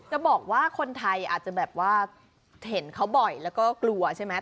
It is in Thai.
จะบอกว่าคนไทยอาจจะแบบว่าเห็นเขาบ่อยแล้วก็กลัวใช่ไหม